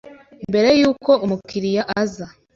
mbere y’uko umukiliya aza,